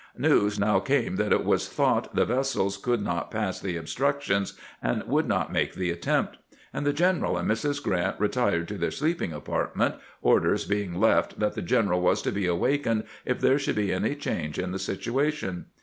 News now came that it was thought the vessels could not pass the obstructions, and would not make the attempt ; and the general and Mrs. Grrant re tired to their sleeping apartment, orders being left that the general was to be wakened if there should be any change in the situation.